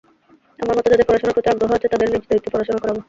আমার মতো যাদের পড়াশোনার প্রতি আগ্রহ আছে, তাদের নিজ দায়িত্বে পড়াশোনা করাব।